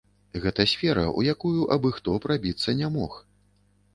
Гэта сфера, у якую абы-хто прабіцца не мог.